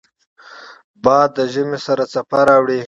باد د ژمې سړه څپه راوړي